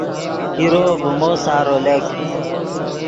پیرو ڤیمو سارو لک